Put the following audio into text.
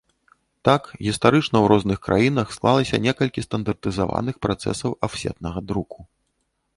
Так, гістарычна ў розных краінах склалася некалькі стандартызаваных працэсаў афсетнага друку.